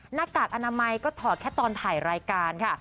หน้ากากอนามัยก็ถอดแค่ตอนถ่ายรายการค่ะ